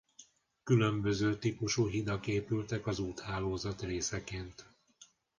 Különböző típusú hidak épültek az úthálózat részeként.